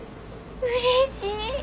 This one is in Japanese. うれしい！